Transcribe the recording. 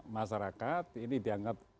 masyarakat ini dianggap